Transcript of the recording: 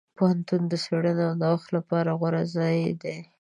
پوهنتون د څېړنې او نوښت لپاره غوره ځای دی.